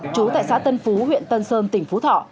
trú tại xã tân phú huyện tân sơn tỉnh phú thọ